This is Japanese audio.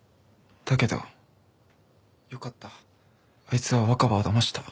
だけどあいつは若葉をだました。